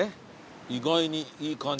意外にいい感じ。